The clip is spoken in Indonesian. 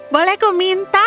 boleh aku minta